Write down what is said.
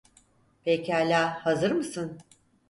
Pekala, hazır mısın?